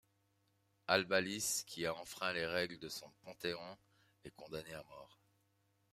Albalys, qui a enfreint les règles de son panthéon est condamné à mort.